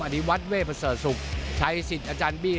อันนี้วัดเวพษศุกร์ใช้สิทธิ์อาจารย์บี้